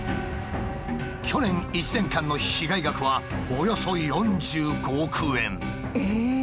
去年１年間の被害額はおよそ４５億円。